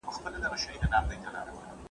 هغه سړی چې جاکټونه یې پلورل، ډېر نارې وهلې.